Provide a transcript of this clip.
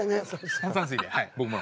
炭酸水ではい僕も。